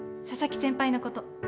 佐々木先輩のこと。